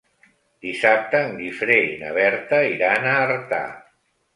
Dissabte en Guifré i na Berta iran a Artà.